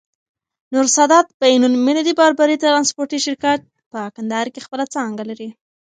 نور سادات بين المللی باربری ترانسپورټي شرکت، په کندهار کي خپله څانګه لری.